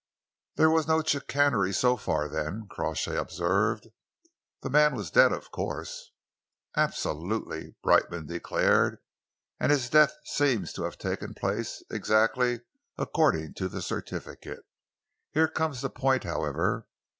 "There was no chicanery so far, then," Crawshay observed. "The man was dead, of course?" "Absolutely," Brightman declared, "and his death seems to have taken place exactly according to the certificate. Here comes the point, however.